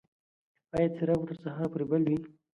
ایا څراغ به تر سهار پورې بل وي؟